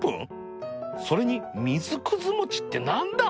それにみずくずもちって何だ？